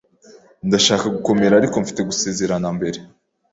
Ndashaka gukomera, ariko mfite gusezerana mbere.